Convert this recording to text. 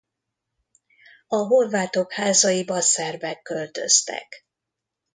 A horvátok házaiba szerbek költöztek.